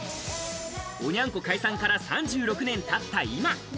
おニャン子解散から３６年たった今。